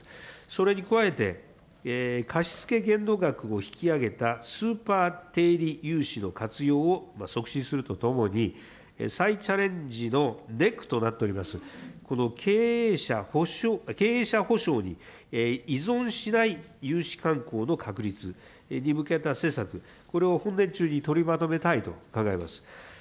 それに加えて、貸付限度額を引き上げたスーパー低利融資の活用を促進するとともに、再チャレンジのネックとなっております、この経営者保障に依存しない融資かんこうの確立、向けた施策、これを本年中に取りまとめたいと考えます。